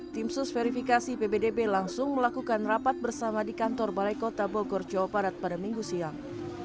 tim sus verifikasi pbdb langsung melakukan rapat bersama di kantor balai kota bogor jawa barat pada minggu siang